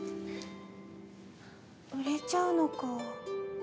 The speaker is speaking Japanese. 売れちゃうのかぁ。